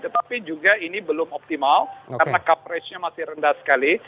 tetapi juga ini belum optimal karena coverage nya masih rendah sekali